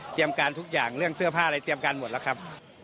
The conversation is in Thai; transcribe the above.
การทุกอย่างเรื่องเสื้อผ้าอะไรเตรียมการหมดแล้วครับ